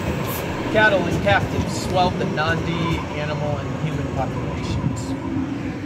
Cattle and captives swelled the Nandi animal and human populations.